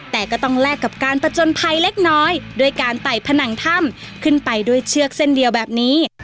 แต่ก็ต้องแลกกับการผจญภัยเล็กน้อยด้วยการไต่ผนังถ้ำขึ้นไปด้วยเชือกเส้นเดียวแบบนี้